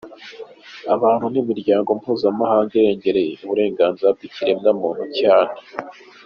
abantu nimiryango mpuzamahanga irengera uburenganzira bwikiremwamuntu cyane.